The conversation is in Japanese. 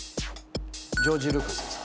ジョージ・ルーカスですか？